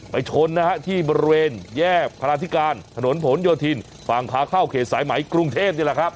ชนนะฮะที่บริเวณแยกพระราธิการถนนผลโยธินฝั่งขาเข้าเขตสายไหมกรุงเทพนี่แหละครับ